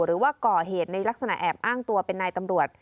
หรือว่าก่อเหตุในลักษณะแอบอ้างตัวเป็นนายตำรวจ